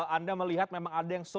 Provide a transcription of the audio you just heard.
anda melihat memang ada yang